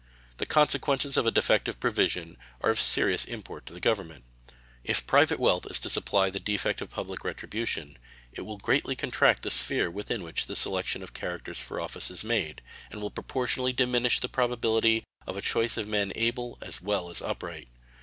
The consequences of a defective provision are of serious import to the Government. If private wealth is to supply the defect of public retribution, it will greatly contract the sphere within which the selection of character for office is to be made, and will proportionally diminish the probability of a choice of men able as well as upright.